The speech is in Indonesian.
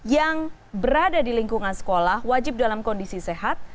yang berada di lingkungan sekolah wajib dalam kondisi sehat